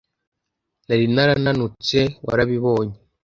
nari narananutse warabibonye